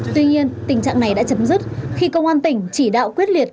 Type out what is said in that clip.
tuy nhiên tình trạng này đã chấm dứt khi công an tỉnh chỉ đạo quyết liệt